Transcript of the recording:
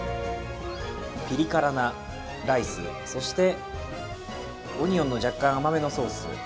ピリ辛なライスで、そしてオニオンの若干甘めのソース